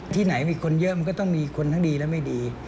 ที่ไหนมีคนเยอะมันก็ต้องมีคนทั้งดีและไม่ดี